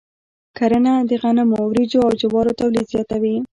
کرنه د غنمو، وريجو، او جوارو تولید زیاتوي.